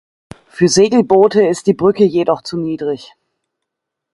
Für Segelboote ist die Brücke jedoch zu niedrig.